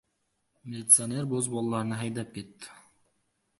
Militsioner bo‘zbolalarni haydab ketdi.